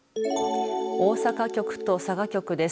大阪局と佐賀局です。